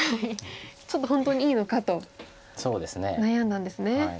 ちょっと本当にいいのかと悩んだんですね。